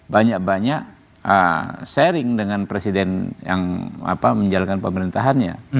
banyak banyak sharing dengan presiden yang menjalankan pemerintahannya